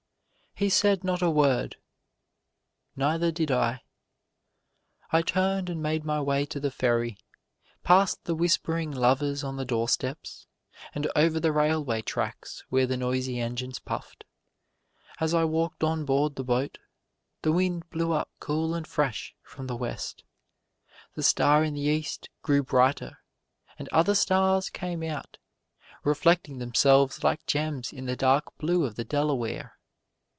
He said not a word; neither did I. I turned and made my way to the ferry past the whispering lovers on the doorsteps, and over the railway tracks where the noisy engines puffed. As I walked on board the boat, the wind blew up cool and fresh from the West. The star in the East grew brighter, and other stars came out, reflecting themselves like gems in the dark blue of the Delaware.